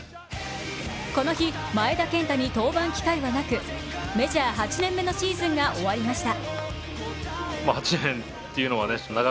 この日、前田健太に登板機会はなくメジャー８年目のシーズンが終わりました。